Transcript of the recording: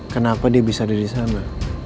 kenapa dia bisa ada di sana